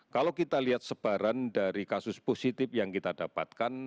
kalau kita lihat sebaran dari kasus positif yang kita dapatkan